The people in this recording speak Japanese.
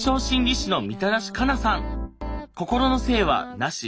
心の性は無し。